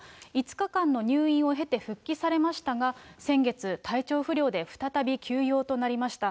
５日間の入院を経て、復帰されましたが、先月、体調不良で再び休養となりました。